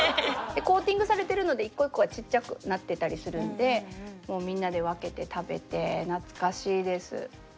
コーティングされてるので一個一個がちっちゃくなってたりするんでみんなで分けて食べて懐かしいです。